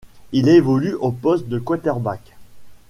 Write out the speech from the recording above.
Il évolue au poste de quarterback.